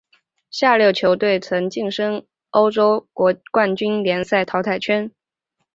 下列球队曾晋身欧洲冠军联赛淘汰圈。